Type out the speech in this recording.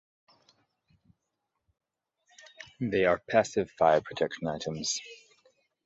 They are passive fire protection items.